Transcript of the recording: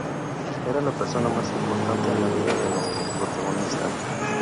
Era la persona más importante en la vida de nuestro protagonista.